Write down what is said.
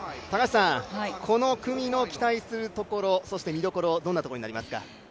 この組の期待するところそして見どころ、どんなところになりますか？